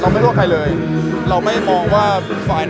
แต่ว่าถ้าเกิดว่าเข้าใจผิดจริงหรอ